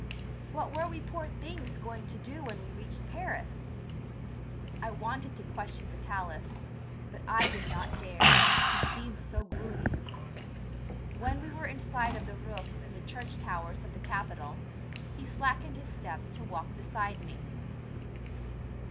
What were we poor things going to do when we reached Paris? I wanted to question Vitalis, but I did not dare, he seemed so gloomy. When we were in sight of the roofs and the church towers of the capital, he slackened his step to walk beside me.